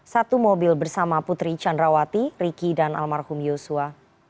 satu mobil bersama putri candrawati riki dan almarhum yosua